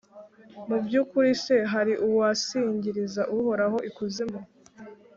Mu by’ukuri se, hari uwasingiriza Uhoraho ikuzimu,